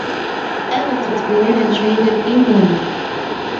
Evetts was born and trained in England.